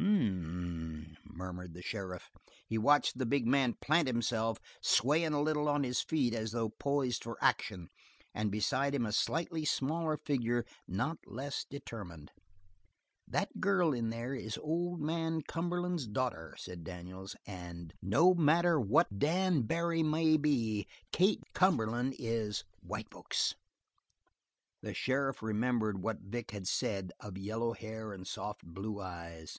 "H m m!" murmured the sheriff. He watched the big man plant himself, swaying a little on his feet as though poising for action, and beside him a slightly smaller figure not less determined. "That girl in there is old man Cumberlan's daughter," said Daniels, "and no matter what her what Dan Barry may be, Kate Cumberland is white folks." The sheriff remembered what Vic had said of yellow hair and soft blue eyes.